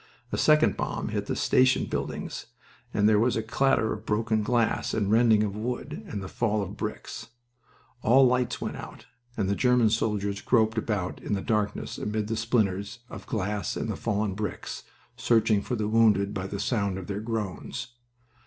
A second bomb hit the station buildings, and there was a clatter of broken glass, the rending of wood, and the fall of bricks. All lights went out, and the German soldiers groped about in the darkness amid the splinters of glass and the fallen bricks, searching for the wounded by the sound of their groans.